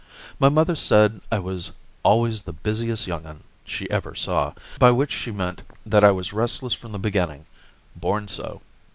My mother said I was "always the busiest young 'un" she ever saw, by which she meant that I was restless from the beginning born so.